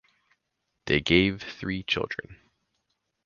They gave three children.